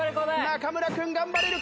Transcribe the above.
中村君頑張れるか？